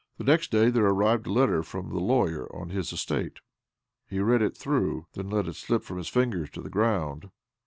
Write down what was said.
Next day there arrived a letter from the lawyer' on his estate. He read it through — then let it slip from his fingers to the ground.